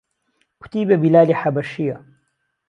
کوتی به بیلالی حهبهشییه